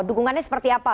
dukungannya seperti apa